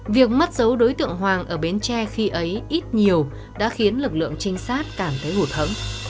việc mất giấu đối tượng hoàng ở bến tre khi ấy ít nhiều đã khiến lực lượng trinh sát cảm thấy hủ thẫn